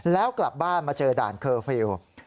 แล้วกลับบ้านมาเจอด่านเคอร์ฟิลล์